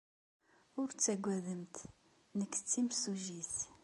Ur ttaggademt. Nekk d timsujjit.